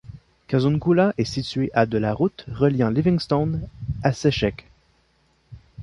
Kazungula est située à de la route reliant Livingstone à Sesheke.